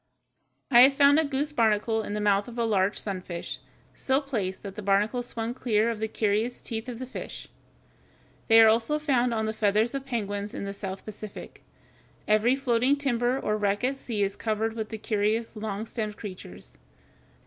I have found a goose barnacle in the mouth of a large sunfish, so placed that the barnacle swung clear of the curious teeth of the fish. They are also found on the feathers of penguins in the South Pacific. Every floating timber or wreck at sea is covered with the curious, long stemmed creatures.